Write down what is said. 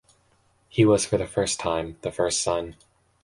He was for the first time, the first son.